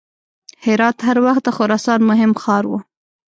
هرات هر وخت د خراسان مهم ښار و.